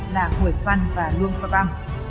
là hội văn và luông pháp văn